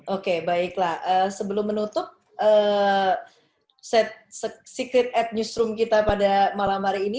oke baiklah sebelum menutup secret ad newsroom kita pada malam hari ini